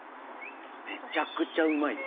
めちゃくちゃうまいよ。